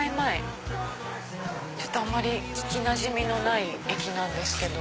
あんまり聞きなじみのない駅なんですけど。